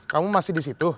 kamu masih di situ